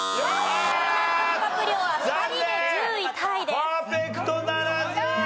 パーフェクトならず！ええーっ！？